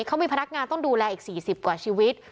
เขามีพนักงานต้องดูแลอีก๔๐กว่าชีวิต